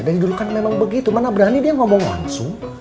dari dulu kan memang begitu mana berani dia ngomong langsung